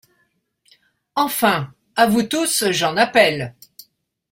Enfin, à vous tous j’en appelle !